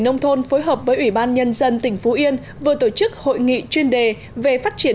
nông thôn phối hợp với ủy ban nhân dân tỉnh phú yên vừa tổ chức hội nghị chuyên đề về phát triển